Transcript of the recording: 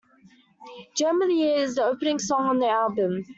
"Jam of the Year" is the opening song on the album.